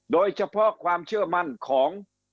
โดยเฉพาะความเชื่อมั่นของ